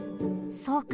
そうか。